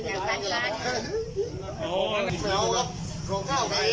สวัสดีครับคุณแฟม